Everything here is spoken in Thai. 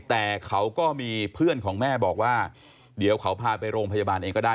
แต่เขาก็มีเพื่อนของแม่บอกว่าเดี๋ยวเขาพาไปโรงพยาบาลเองก็ได้